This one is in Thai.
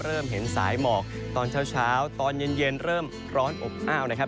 เริ่มเห็นสายหมอกตอนเช้าตอนเย็นเริ่มร้อนอบอ้าวนะครับ